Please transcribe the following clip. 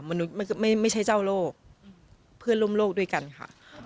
มนุษย์ไม่ใช่เจ้าโลกเพื่อนร่วมโลกด้วยกันค่ะ